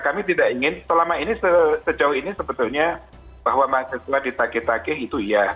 kami tidak ingin selama ini sejauh ini sebetulnya bahwa mahasiswa ditage tage itu iya